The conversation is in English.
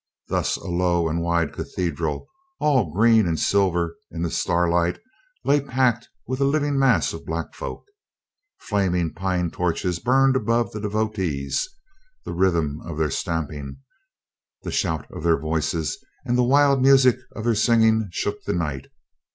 Thus a low and wide cathedral, all green and silver in the star light, lay packed with a living mass of black folk. Flaming pine torches burned above the devotees; the rhythm of their stamping, the shout of their voices, and the wild music of their singing shook the night.